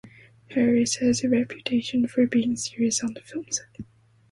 Harris has a reputation for being serious on the film set.